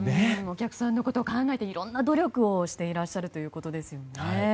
お客さんのことを考えていろんな努力をしてらっしゃるということですね。